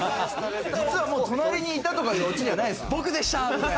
実はもう隣にいたとかいうオチじゃないですか？